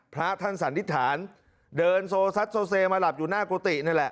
พระท่านสันนิษฐานเดินโซซัดโซเซมาหลับอยู่หน้ากุฏินั่นแหละ